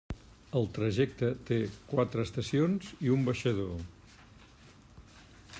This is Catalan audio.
El trajecte té quatre estacions i un baixador.